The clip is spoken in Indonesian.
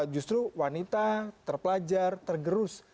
justru wanita terpelajar tergerus